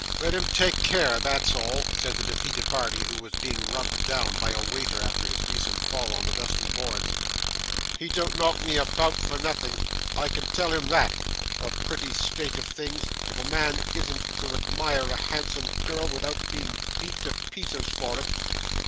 'Let him take care, that's all,' said the defeated party, who was being rubbed down by a waiter, after his recent fall on the dusty boards. 'He don't knock me about for nothing, I can tell him that. A pretty state of things, if a man isn't to admire a handsome girl without being beat to pieces for it!